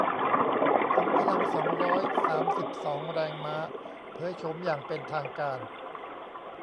ขุมพลัง สองร้อยสามสิบสอง แรงม้า เผยโฉมอย่างเป็นทางการ